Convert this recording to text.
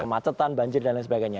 kemacetan banjir dan lain sebagainya